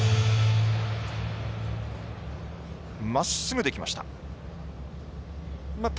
まっすぐできました。